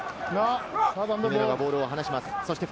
姫野がボールを離します。